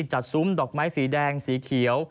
ซุ้มดอกไม้สีแดงสีเขียว